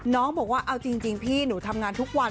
น้องบอกว่าเอาจริงพี่หนูทำงานทุกวัน